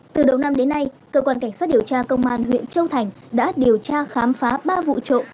từ đầu năm đến nay cơ quan cảnh sát điều tra công an huyện châu thành đã điều tra khám phá ba vụ trộm